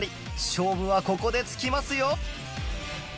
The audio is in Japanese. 勝負はここでつきますよ